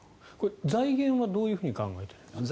財源はどういうふうに考えてるんですか？